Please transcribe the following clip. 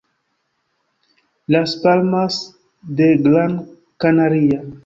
Las Palmas de Gran Canaria.